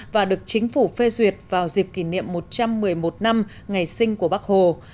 và được chính phủ phê duyệt vào dịp kỷ niệm một trăm một mươi một năm ngày sinh của bắc hồ